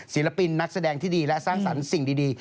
ศิลปินนักแสดงที่ดีและสร้างสรรค์สิ่งดี